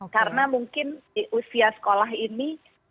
karena mungkin di usia sekolah ini